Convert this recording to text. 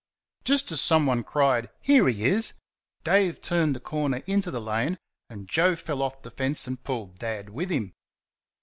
Just as someone cried "Here he is!" Dave turned the corner into the lane, and Joe fell off the fence and pulled Dad with him.